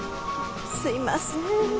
すいません。